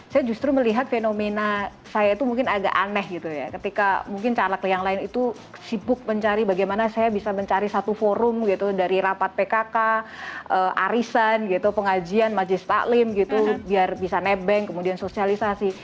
saya justru melihat fenomena saya itu mungkin agak aneh gitu ya ketika mungkin caleg yang lain itu sibuk mencari bagaimana saya bisa mencari satu forum gitu dari rapat pkk arisan gitu pengajian majlis taklim gitu biar bisa nebeng kemudian sosialisasi